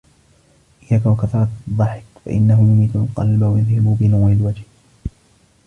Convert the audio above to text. إيَّاكَ وَكَثْرَةَ الضَّحِكِ فَإِنَّهُ يُمِيتُ الْقَلْبَ وَيُذْهِبُ بِنُورِ الْوَجْهِ